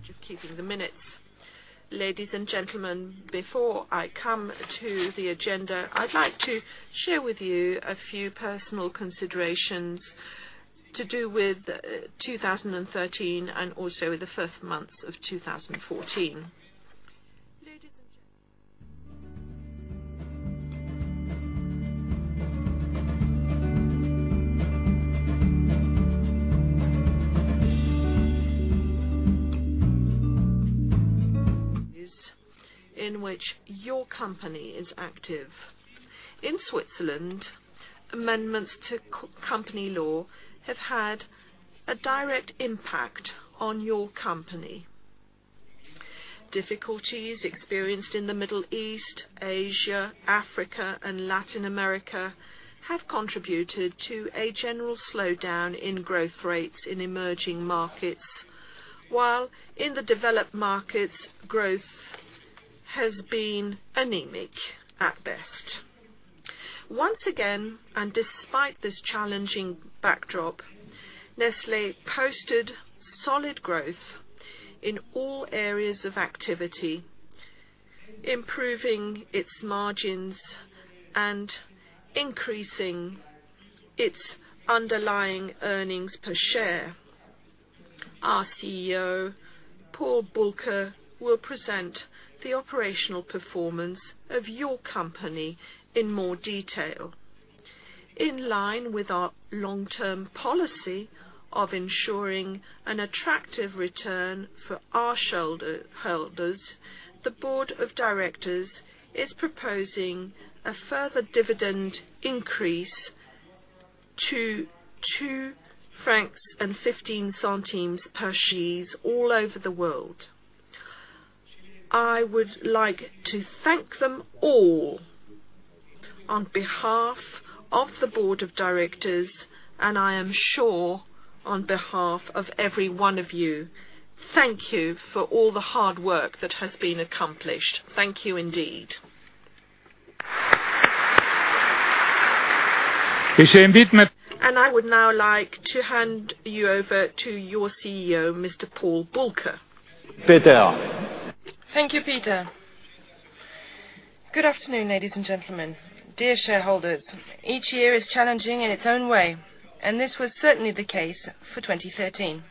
Charge of keeping the minutes. Ladies and gentlemen, before I come to the agenda, I'd like to share with you a few personal considerations to do with 2013 and also the first months of 2014 in which your company is active. In Switzerland, amendments to company law have had a direct impact on your company. Difficulties experienced in the Middle East, Asia, Africa, and Latin America have contributed to a general slowdown in growth rates in emerging markets, while in the developed markets, growth has been anemic at best. Once again, despite this challenging backdrop, Nestlé posted solid growth in all areas of activity, improving its margins and increasing its underlying earnings per share. Our CEO, Paul Bulcke, will present the operational performance of your company in more detail. In line with our long-term policy of ensuring an attractive return for our shareholders, the board of directors is proposing a further dividend increase to 2.15 francs per share all over the world. I would like to thank them all on behalf of the board of directors, and I am sure on behalf of every one of you. Thank you for all the hard work that has been accomplished. Thank you indeed. I would now like to hand you over to your CEO, Mr. Paul Bulcke. Thank you, Peter. Good afternoon, ladies and gentlemen, dear shareholders. Each year is challenging in its own way, and this was certainly the case for 2013.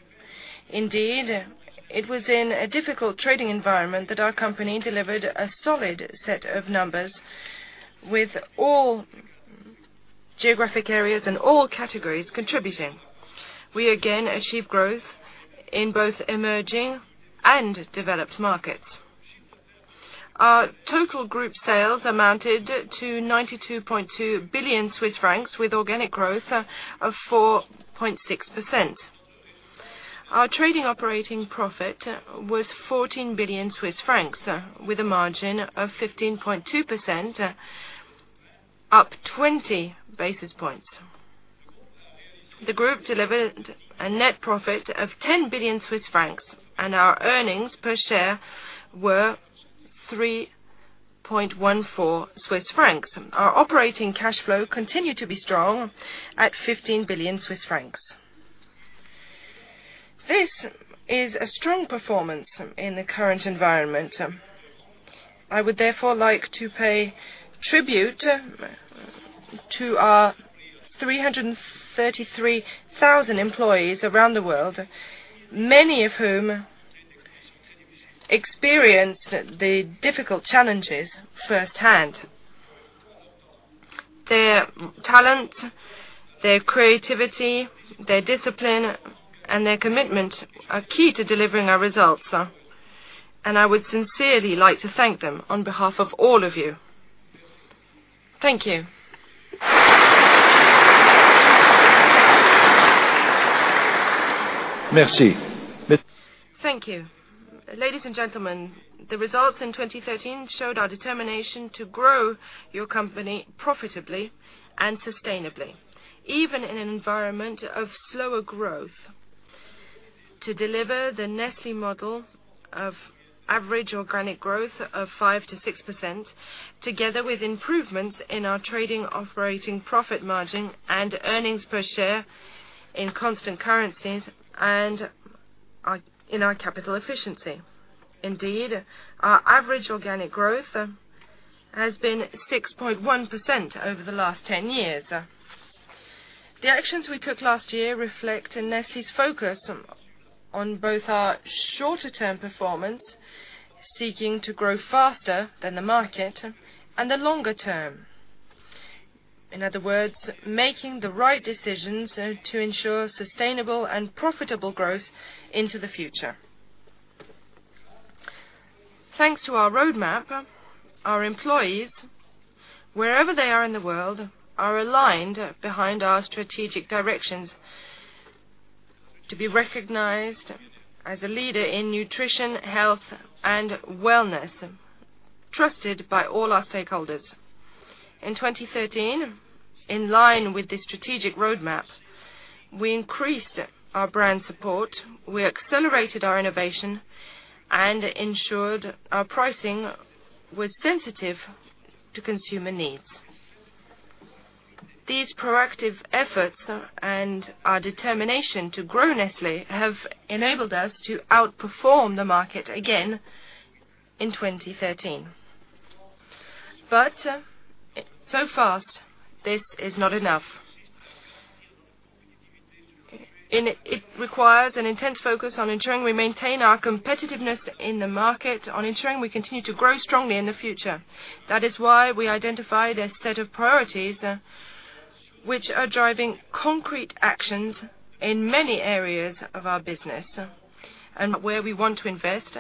Indeed, it was in a difficult trading environment that our company delivered a solid set of numbers with all geographic areas and all categories contributing. We again achieved growth in both emerging and developed markets. Our total group sales amounted to 92.2 billion Swiss francs with organic growth of 4.6%. Our trading operating profit was 14 billion Swiss francs, with a margin of 15.2%, up 20 basis points. The group delivered a net profit of 10 billion Swiss francs, and our earnings per share were 3.14 Swiss francs. Our operating cash flow continued to be strong at 15 billion Swiss francs. This is a strong performance in the current environment. I would therefore like to pay tribute to our 333,000 employees around the world, many of whom experienced the difficult challenges firsthand. Their talent, their creativity, their discipline, and their commitment are key to delivering our results. I would sincerely like to thank them on behalf of all of you. Thank you. Merci. Thank you. Ladies and gentlemen, the results in 2013 showed our determination to grow your company profitably and sustainably, even in an environment of slower growth, to deliver the Nestlé model of average organic growth of 5%-6%, together with improvements in our trading operating profit margin and earnings per share in constant currencies and in our capital efficiency. Indeed, our average organic growth has been 6.1% over the last 10 years. The actions we took last year reflect Nestlé's focus on both our shorter term performance, seeking to grow faster than the market, and the longer term. In other words, making the right decisions to ensure sustainable and profitable growth into the future. Thanks to our roadmap, our employees, wherever they are in the world, are aligned behind our strategic directions to be recognized as a leader in nutrition, health, and wellness, trusted by all our stakeholders. In 2013, in line with this strategic roadmap, we increased our brand support. We accelerated our innovation and ensured our pricing was sensitive to consumer needs. These proactive efforts and our determination to grow Nestlé have enabled us to outperform the market again in 2013. So far, this is not enough. It requires an intense focus on ensuring we maintain our competitiveness in the market, on ensuring we continue to grow strongly in the future. That is why we identified a set of priorities, which are driving concrete actions in many areas of our business and where we want to invest.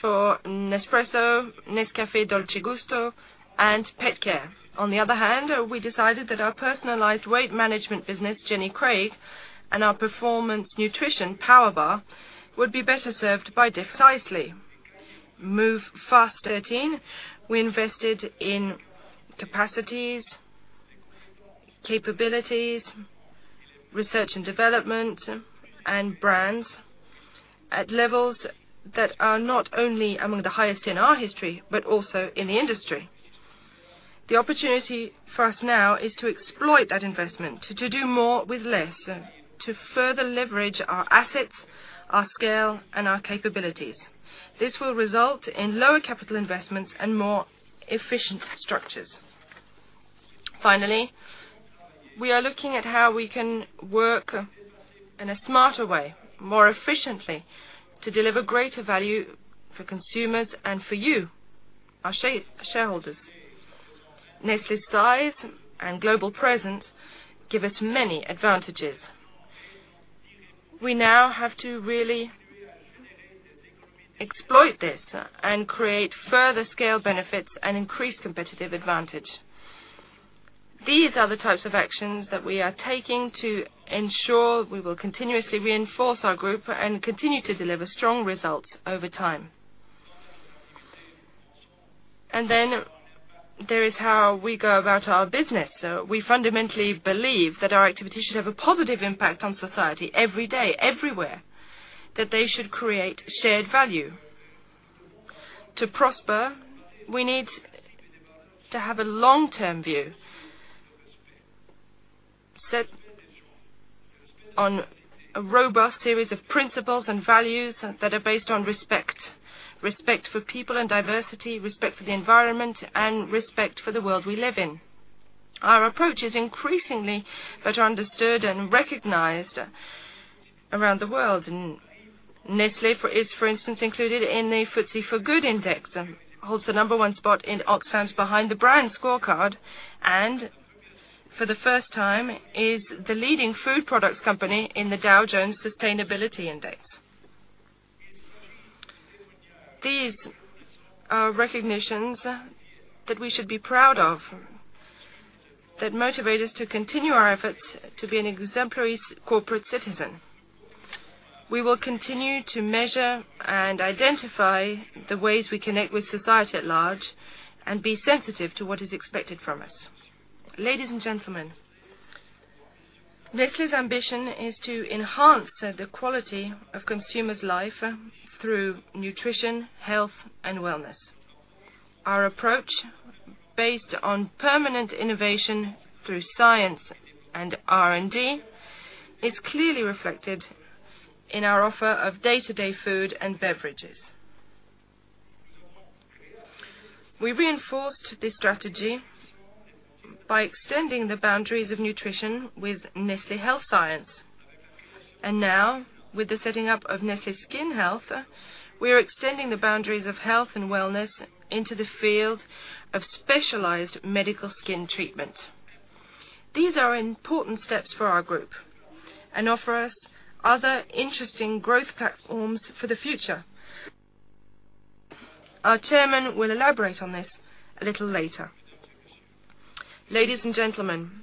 For Nespresso, Nescafé Dolce Gusto, and PetCare. On the other hand, we decided that our personalized weight management business, Jenny Craig, and our performance nutrition PowerBar, would be better served by precisely move fast 13. We invested in capacities, capabilities, research and development, and brands at levels that are not only among the highest in our history, but also in the industry. The opportunity for us now is to exploit that investment, to do more with less, to further leverage our assets, our scale, and our capabilities. This will result in lower capital investments and more efficient structures. Finally, we are looking at how we can work in a smarter way, more efficiently, to deliver greater value for consumers and for you, our shareholders. Nestlé's size and global presence give us many advantages. We now have to really exploit this and create further scale benefits and increase competitive advantage. These are the types of actions that we are taking to ensure we will continuously reinforce our group and continue to deliver strong results over time. There is how we go about our business. We fundamentally believe that our activity should have a positive impact on society every day, everywhere. That they should create shared value. To prosper, we need to have a long-term view set on a robust series of principles and values that are based on respect. Respect for people and diversity, respect for the environment, and respect for the world we live in. Our approach is increasingly understood and recognized around the world. Nestlé is, for instance, included in the FTSE4Good Index, holds the number one spot in Oxfam's Behind the Brands scorecard, and for the first time, is the leading food products company in the Dow Jones Sustainability Index. These are recognitions that we should be proud of, that motivate us to continue our efforts to be an exemplary corporate citizen. We will continue to measure and identify the ways we connect with society at large and be sensitive to what is expected from us. Ladies and gentlemen, Nestlé's ambition is to enhance the quality of consumers' life through nutrition, health, and wellness. Our approach, based on permanent innovation through science and R&D, is clearly reflected in our offer of day-to-day food and beverages. We reinforced this strategy by extending the boundaries of nutrition with Nestlé Health Science. Now, with the setting up of Nestlé Skin Health, we are extending the boundaries of health and wellness into the field of specialized medical skin treatment. These are important steps for our group and offer us other interesting growth platforms for the future. Our Chairman will elaborate on this a little later. Ladies and gentlemen,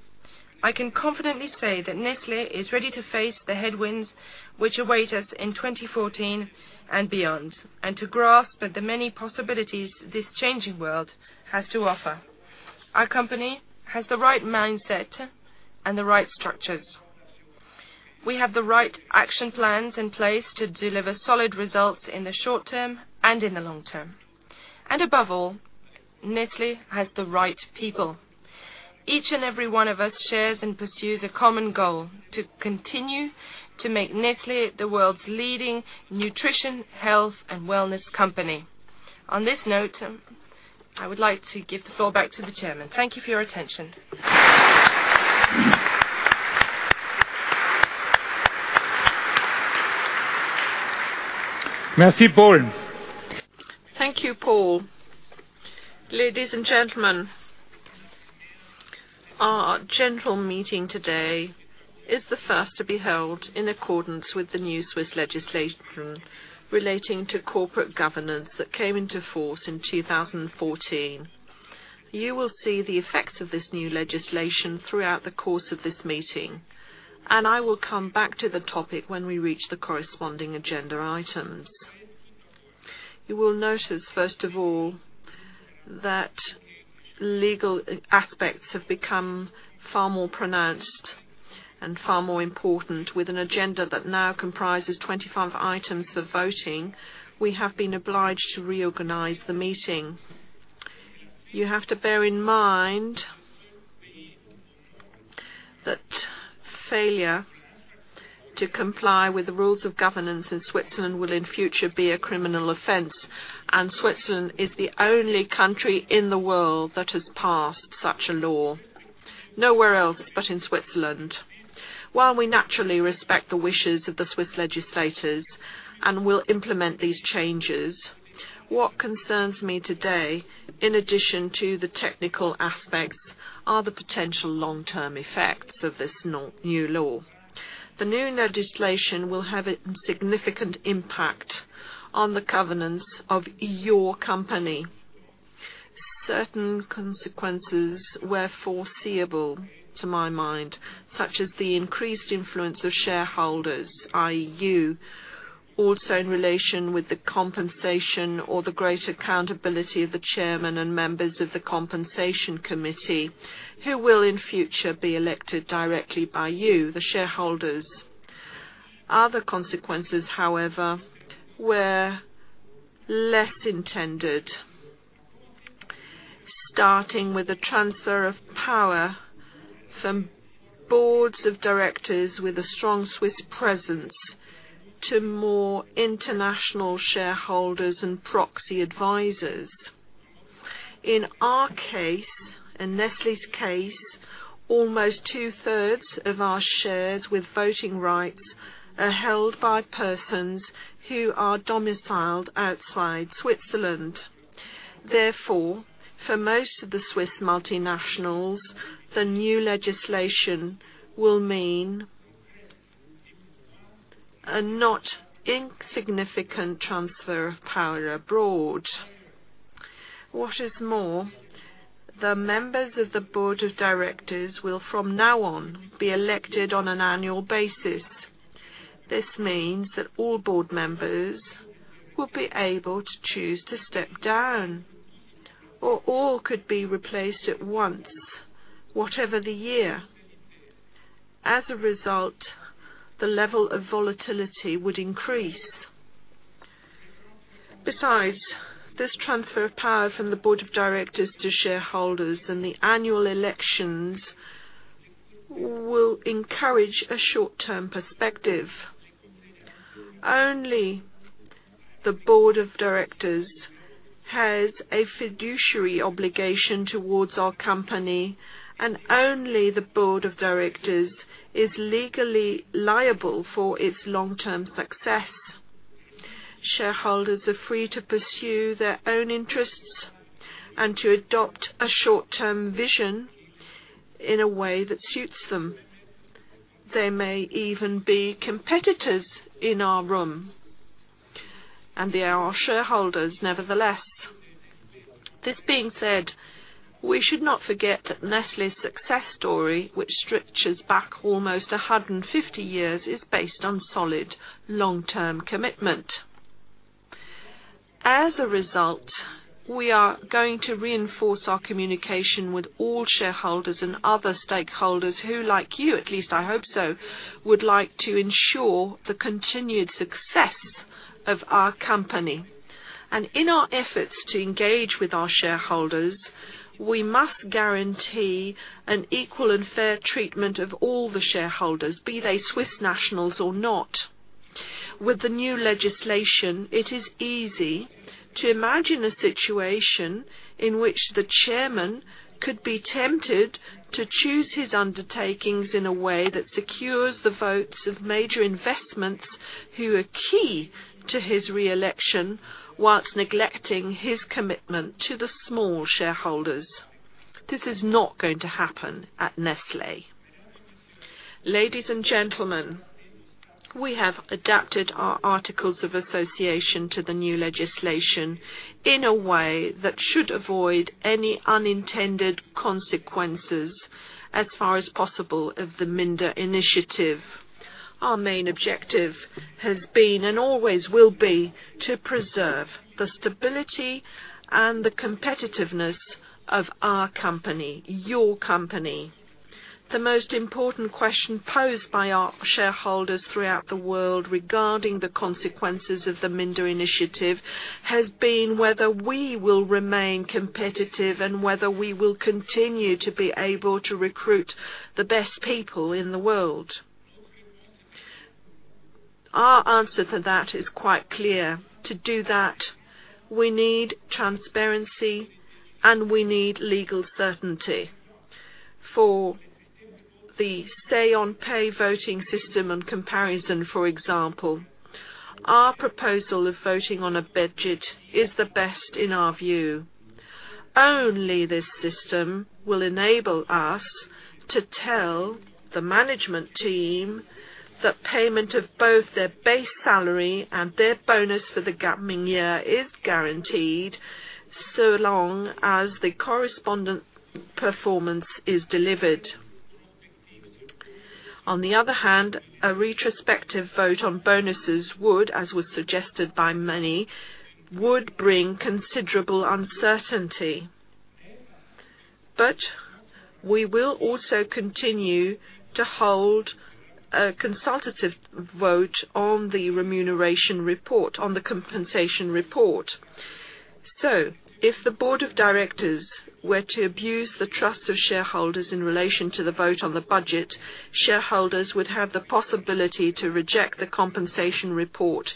I can confidently say that Nestlé is ready to face the headwinds which await us in 2014 and beyond, and to grasp at the many possibilities this changing world has to offer. Our company has the right mindset and the right structures. We have the right action plans in place to deliver solid results in the short term and in the long term. Above all, Nestlé has the right people. Each and every one of us shares and pursues a common goal: to continue to make Nestlé the world's leading nutrition, health, and wellness company. On this note, I would like to give the floor back to the Chairman. Thank you for your attention. Merci Paul. Thank you, Paul. Ladies and gentlemen, our general meeting today is the first to be held in accordance with the new Swiss legislation relating to corporate governance that came into force in 2014. You will see the effects of this new legislation throughout the course of this meeting, and I will come back to the topic when we reach the corresponding agenda items. You will notice, first of all, that legal aspects have become far more pronounced. Far more important, with an agenda that now comprises 25 items for voting, we have been obliged to reorganize the meeting. You have to bear in mind that failure to comply with the rules of governance in Switzerland will in future be a criminal offense, and Switzerland is the only country in the world that has passed such a law. Nowhere else, but in Switzerland. While we naturally respect the wishes of the Swiss legislators and will implement these changes, what concerns me today, in addition to the technical aspects, are the potential long-term effects of this new law. The new legislation will have a significant impact on the governance of your company. Certain consequences were foreseeable to my mind, such as the increased influence of shareholders, i.e., you. Also in relation with the compensation or the greater accountability of the Chairman and members of the compensation committee who will in future be elected directly by you, the shareholders. Other consequences, however, were less intended. Starting with the transfer of power from boards of directors with a strong Swiss presence to more international shareholders and proxy advisors. In our case, in Nestlé's case, almost two-thirds of our shares with voting rights are held by persons who are domiciled outside Switzerland. Therefore, for most of the Swiss multinationals, the new legislation will mean a not insignificant transfer of power abroad. What is more, the members of the board of directors will from now on be elected on an annual basis. This means that all board members will be able to choose to step down, or all could be replaced at once, whatever the year. As a result, the level of volatility would increase. Besides, this transfer of power from the board of directors to shareholders and the annual elections will encourage a short-term perspective. Only the board of directors has a fiduciary obligation towards our company, and only the board of directors is legally liable for its long-term success. Shareholders are free to pursue their own interests and to adopt a short-term vision in a way that suits them. There may even be competitors in our room, and they are our shareholders nevertheless. This being said, we should not forget that Nestlé's success story, which stretches back almost 150 years, is based on solid long-term commitment. In our efforts to engage with our shareholders, we must guarantee an equal and fair treatment of all the shareholders, be they Swiss nationals or not. With the new legislation, it is easy to imagine a situation in which the chairman could be tempted to choose his undertakings in a way that secures the votes of major investments who are key to his re-election whilst neglecting his commitment to the small shareholders. This is not going to happen at Nestlé. Ladies and gentlemen, we have adapted our articles of association to the new legislation in a way that should avoid any unintended consequences as far as possible of the Minder initiative. Our main objective has been and always will be to preserve the stability and the competitiveness of our company, your company. The most important question posed by our shareholders throughout the world regarding the consequences of the Minder initiative has been whether we will remain competitive and whether we will continue to be able to recruit the best people in the world. Our answer to that is quite clear. To do that, we need transparency, and we need legal certainty. For the Say on Pay voting system and comparison, for example, our proposal of voting on a budget is the best in our view. Only this system will enable us to tell the management team that payment of both their base salary and their bonus for the coming year is guaranteed so long as the correspondent performance is delivered. On the other hand, a retrospective vote on bonuses would, as was suggested by many, would bring considerable uncertainty. We will also continue to hold a consultative vote on the remuneration report, on the compensation report. If the board of directors were to abuse the trust of shareholders in relation to the vote on the budget, shareholders would have the possibility to reject the compensation report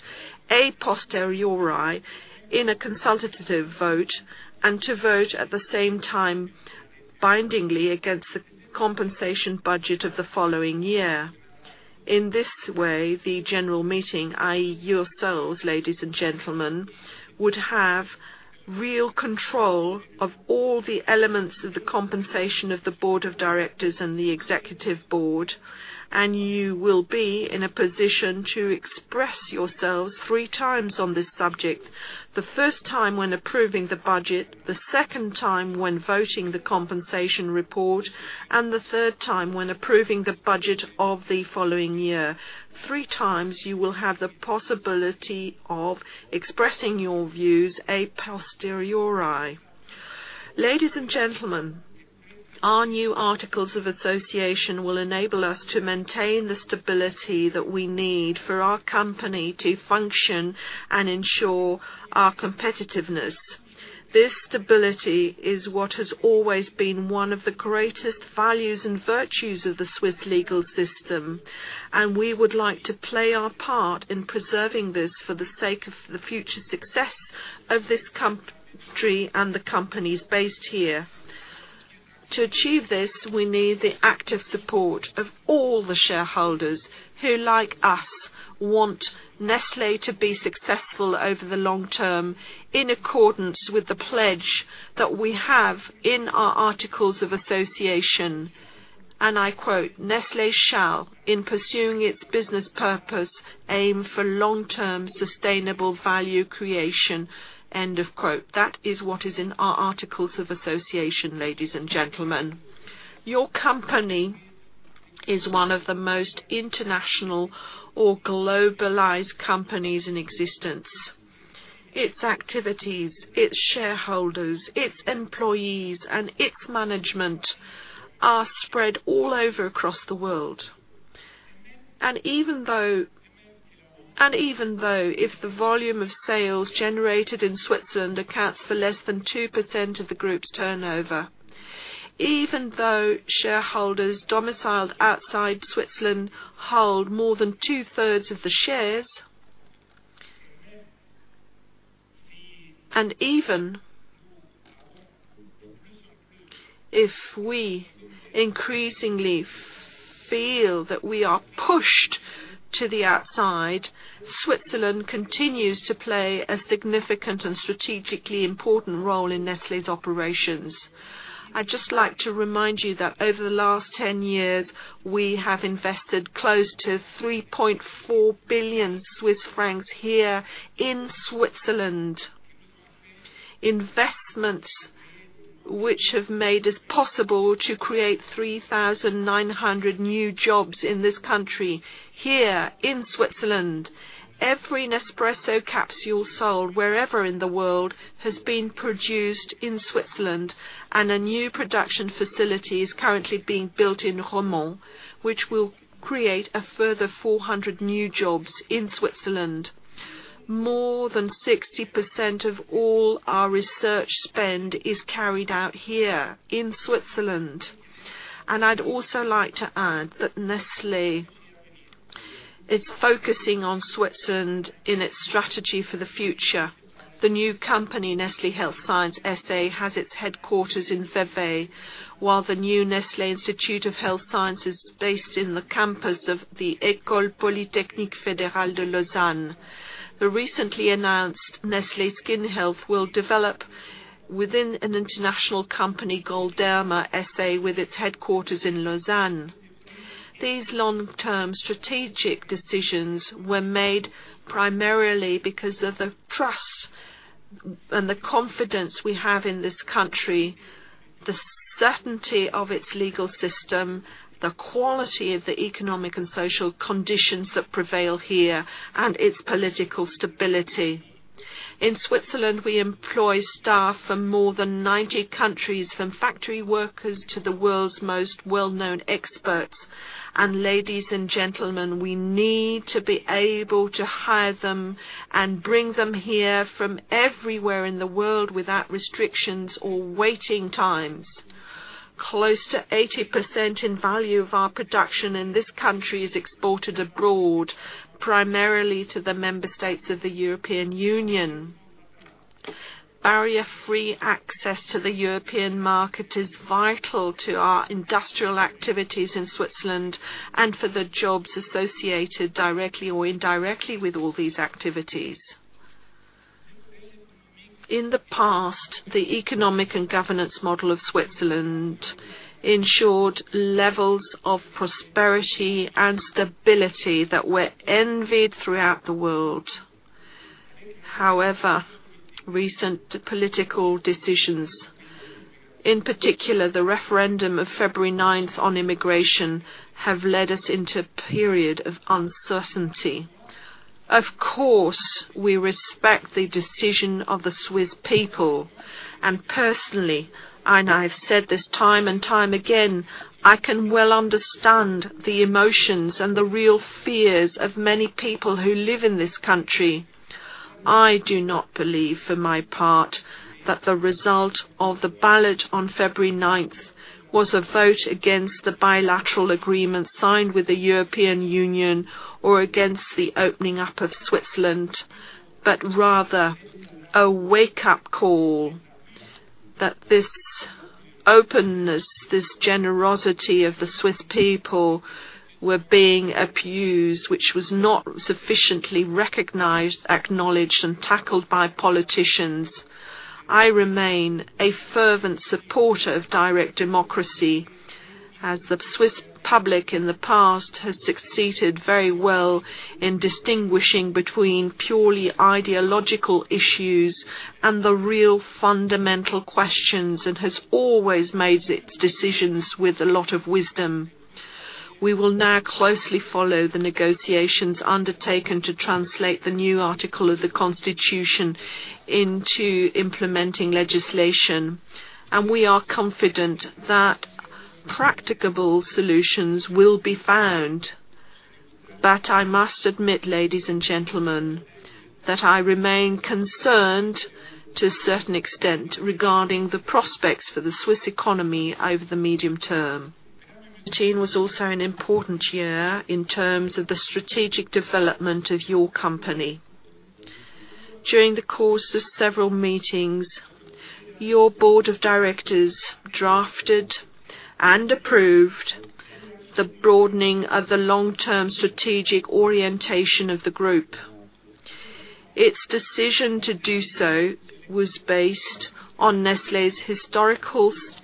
a posteriori in a consultative vote, and to vote at the same time bindingly against the compensation budget of the following year. In this way, the general meeting, i.e., yourselves, ladies and gentlemen, would have real control of all the elements of the compensation of the board of directors and the executive board. You will be in a position to express yourselves three times on this subject. The first time when approving the budget, the second time when voting the compensation report, and the third time when approving the budget of the following year. Three times you will have the possibility of expressing your views a posteriori. Ladies and gentlemen, our new articles of association will enable us to maintain the stability that we need for our company to function and ensure our competitiveness. This stability is what has always been one of the greatest values and virtues of the Swiss legal system. We would like to play our part in preserving this for the sake of the future success of this country and the companies based here. To achieve this, we need the active support of all the shareholders who, like us, want Nestlé to be successful over the long term, in accordance with the pledge that we have in our articles of association, and I quote, "Nestlé shall, in pursuing its business purpose, aim for long-term sustainable value creation." End of quote. That is what is in our articles of association, ladies and gentlemen. Your company is one of the most international or globalized companies in existence. Its activities, its shareholders, its employees, and its management are spread all over across the world. Even though if the volume of sales generated in Switzerland accounts for less than 2% of the group's turnover, even though shareholders domiciled outside Switzerland hold more than two-thirds of the shares, and even if we increasingly feel that we are pushed to the outside, Switzerland continues to play a significant and strategically important role in Nestlé's operations. I'd just like to remind you that over the last 10 years, we have invested close to 3.4 billion Swiss francs here in Switzerland. Investments which have made it possible to create 3,900 new jobs in this country, here in Switzerland. Every Nespresso capsule sold wherever in the world has been produced in Switzerland. A new production facility is currently being built in Romont, which will create a further 400 new jobs in Switzerland. More than 60% of all our research spend is carried out here in Switzerland. I'd also like to add that Nestlé is focusing on Switzerland in its strategy for the future. The new company, Nestlé Health Science S.A., has its headquarters in Vevey, while the new Nestlé Institute of Health Sciences is based in the campus of the École polytechnique fédérale de Lausanne. The recently announced Nestlé Skin Health will develop within an international company, Galderma S.A., with its headquarters in Lausanne. These long-term strategic decisions were made primarily because of the trust and the confidence we have in this country, the certainty of its legal system, the quality of the economic and social conditions that prevail here, and its political stability. In Switzerland, we employ staff from more than 90 countries, from factory workers to the world's most well-known experts. Ladies and gentlemen, we need to be able to hire them and bring them here from everywhere in the world without restrictions or waiting times. Close to 80% in value of our production in this country is exported abroad, primarily to the member states of the European Union. Barrier-free access to the European market is vital to our industrial activities in Switzerland and for the jobs associated directly or indirectly with all these activities. In the past, the economic and governance model of Switzerland ensured levels of prosperity and stability that were envied throughout the world. However, recent political decisions, in particular, the referendum of February 9th on immigration, have led us into a period of uncertainty. Of course, we respect the decision of the Swiss people. Personally, and I have said this time and time again, I can well understand the emotions and the real fears of many people who live in this country. I do not believe for my part that the result of the ballot on February 9th was a vote against the bilateral agreement signed with the European Union or against the opening up of Switzerland, but rather a wake-up call that this openness, this generosity of the Swiss people were being abused, which was not sufficiently recognized, acknowledged, and tackled by politicians. I remain a fervent supporter of direct democracy, as the Swiss public in the past has succeeded very well in distinguishing between purely ideological issues and the real fundamental questions, and has always made its decisions with a lot of wisdom. We will now closely follow the negotiations undertaken to translate the new article of the Constitution into implementing legislation. We are confident that practicable solutions will be found. But I must admit, ladies and gentlemen, that I remain concerned to a certain extent regarding the prospects for the Swiss economy over the medium term. Was also an important year in terms of the strategic development of your company. During the course of several meetings, your board of directors drafted and approved the broadening of the long-term strategic orientation of the group. Its decision to do so was based on Nestlé's historical competencies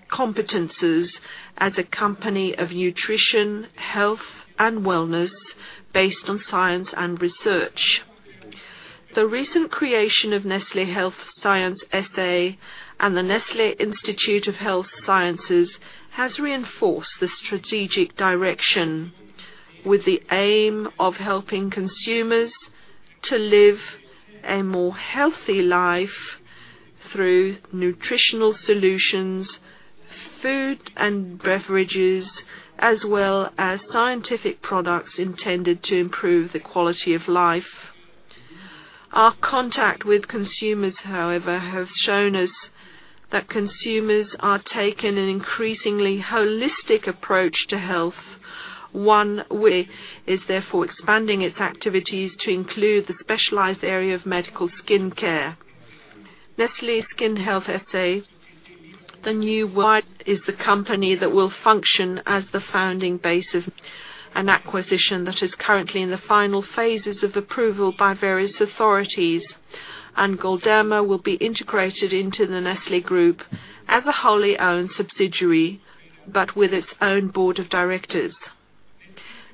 as a company of nutrition, health, and wellness based on science and research. The recent creation of Nestlé Health Science S.A. and the Nestlé Institute of Health Sciences has reinforced the strategic direction with the aim of helping consumers to live a more healthy life through nutritional solutions, food and beverages, as well as scientific products intended to improve the quality of life. Our contact with consumers, however, have shown us that consumers are taking an increasingly holistic approach to health. Nestlé is therefore expanding its activities to include the specialized area of medical skin care. Nestlé Skin Health S.A., the new Y, is the company that will function as the founding base of an acquisition that is currently in the final phases of approval by various authorities. Galderma will be integrated into the Nestlé Group as a wholly owned subsidiary, but with its own board of directors.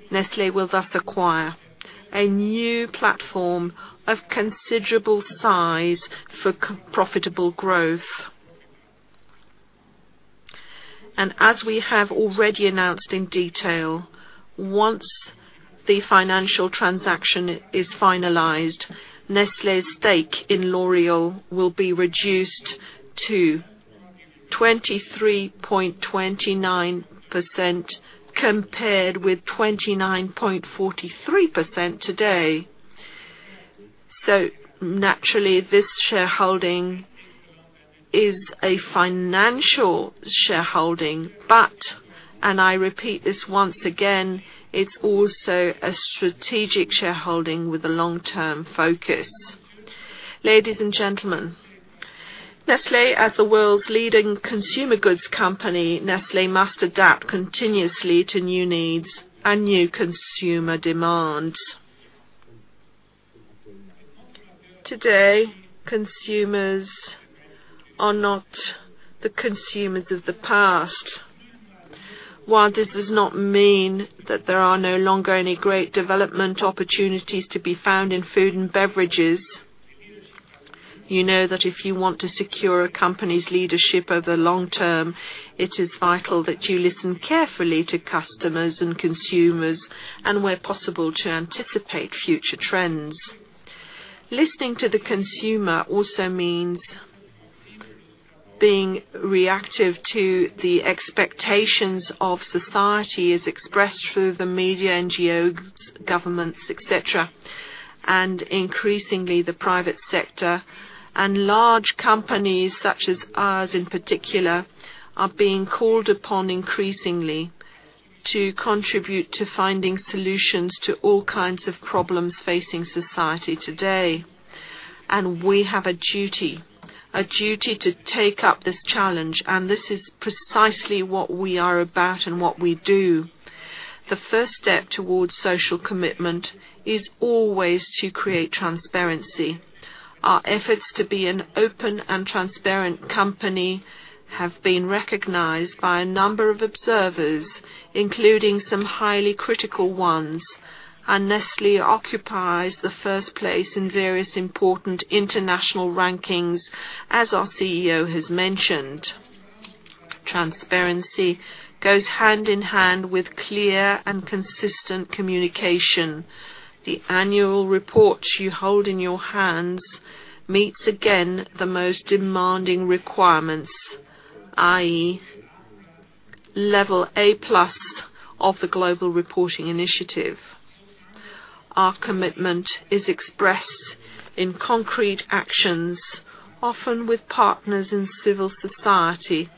Nestlé will thus acquire a new platform of considerable size for profitable growth. As we have already announced in detail, once the financial transaction is finalized, Nestlé's stake in L'Oréal will be reduced to 23.29%, compared with 29.43% today. Naturally, this shareholding is a financial shareholding. I repeat this once again, it's also a strategic shareholding with a long-term focus. Ladies and gentlemen, Nestlé, as the world's leading consumer goods company, Nestlé must adapt continuously to new needs and new consumer demands. Today, consumers are not the consumers of the past. While this does not mean that there are no longer any great development opportunities to be found in food and beverages, you know that if you want to secure a company's leadership over the long term, it is vital that you listen carefully to customers and consumers, and where possible, to anticipate future trends. Listening to the consumer also means being reactive to the expectations of society as expressed through the media, NGOs, governments, et cetera. Increasingly, the private sector and large companies such as ours in particular, are being called upon increasingly to contribute to finding solutions to all kinds of problems facing society today. We have a duty to take up this challenge, and this is precisely what we are about and what we do. The first step towards social commitment is always to create transparency. Our efforts to be an open and transparent company have been recognized by a number of observers, including some highly critical ones, and Nestlé occupies the first place in various important international rankings, as our CEO has mentioned. Transparency goes hand in hand with clear and consistent communication. The annual report you hold in your hands meets again the most demanding requirements, i.e., level A+ of the Global Reporting Initiative. Our commitment is expressed in concrete actions, often with partners in civil society,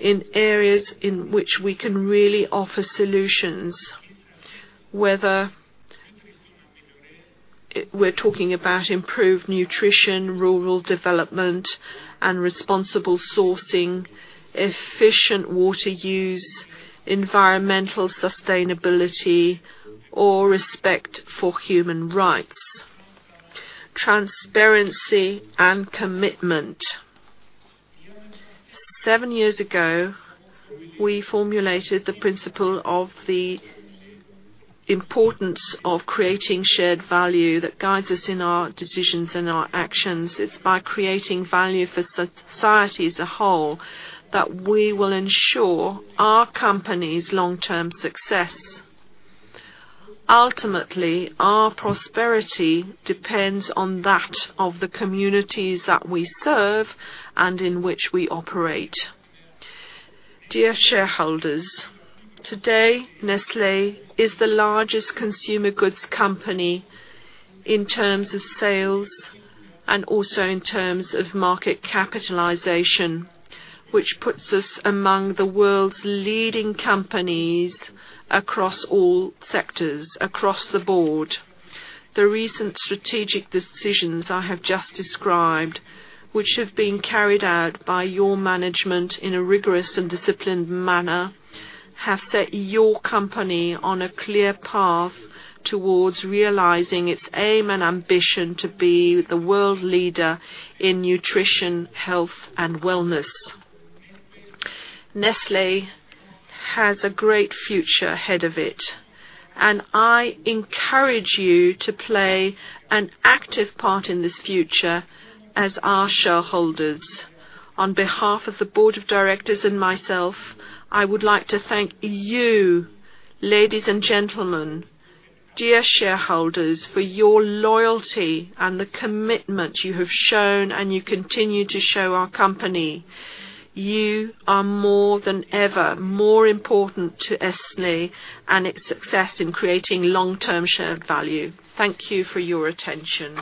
in areas in which we can really offer solutions, whether we're talking about improved nutrition, rural development, and responsible sourcing, efficient water use, environmental sustainability, or respect for human rights. Transparency and commitment. Seven years ago, we formulated the principle of the importance of creating shared value that guides us in our decisions and our actions. It's by creating value for society as a whole, that we will ensure our company's long-term success. Ultimately, our prosperity depends on that of the communities that we serve and in which we operate. Dear shareholders, today, Nestlé is the largest consumer goods company in terms of sales and also in terms of market capitalization, which puts us among the world's leading companies across all sectors, across the board. The recent strategic decisions I have just described, which have been carried out by your management in a rigorous and disciplined manner, have set your company on a clear path towards realizing its aim and ambition to be the world leader in nutrition, health, and wellness. Nestlé has a great future ahead of it, and I encourage you to play an active part in this future as our shareholders. On behalf of the board of directors and myself, I would like to thank you, ladies and gentlemen, dear shareholders, for your loyalty and the commitment you have shown and you continue to show our company. You are more than ever, more important to Nestlé and its success in creating long-term shared value. Thank you for your attention.